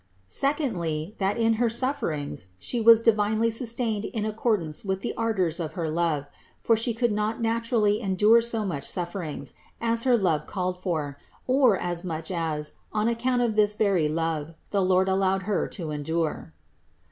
Secondly : that in her sufferings She was divinely sustained in accordance with the ardors of her love, for She could not naturally endure so much suf ferings, as her love called for, or as much as, on ac count of this very love, the Lord allowed Her to endure.